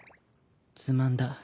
つまんだ。